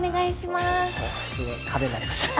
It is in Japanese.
すごい派手になりましたね。